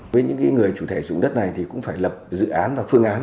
với những người chủ thể sử dụng đất này thì cũng phải lập dự án và phương án